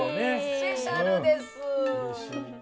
スペシャルです。